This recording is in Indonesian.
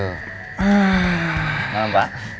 selamat malam pak